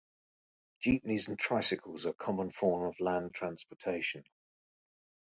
Jeepneys and tricycles are the common form of land transportation.